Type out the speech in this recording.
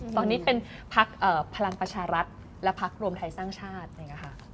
ตอนนี้เป็นพักพลังประชารัฐและพักรวมไทยสร้างชาติอย่างนี้ค่ะ